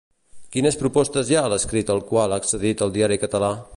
Quines propostes hi ha a l'escrit al qual ha accedit el diari català?